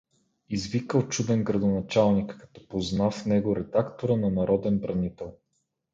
Извика очуден градоначалникът, като позна в него редактора на Народен бранител.